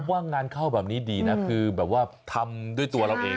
ว่างานเข้าแบบนี้ดีนะคือแบบว่าทำด้วยตัวเราเอง